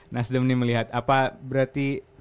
nasdem ini melihat apa berarti